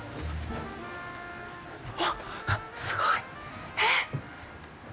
うわっ、すごい！えっ？